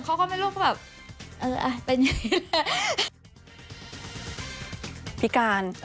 เขาก็ไม่รู้ว่าแบบเอออ่ะเป็นอย่างนี้แหละ